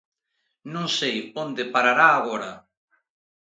Non sei onde parará agora.